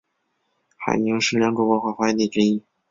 海宁是良渚文化发源地之一。